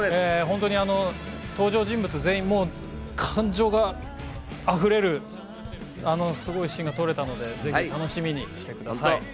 本当に登場人物全員、感情が溢れる、すごいシーンが撮れたので、ぜひ楽しみにしてください。